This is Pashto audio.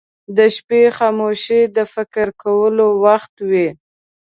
• د شپې خاموشي د فکر کولو وخت وي.